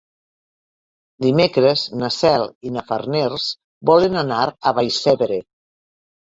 Dimecres na Cel i na Farners volen anar a Vallcebre.